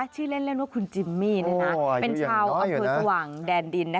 ชื่อเล่นว่าคุณจิมมี่เป็นชาวอำเภอสว่างแดนดิน